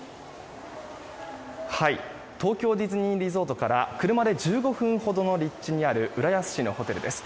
東京ディズニーリゾートから車で１５分ほどの立地にある浦安市のホテルです。